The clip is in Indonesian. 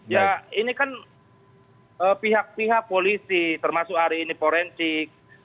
ya ini kan pihak pihak polisi termasuk hari ini forensik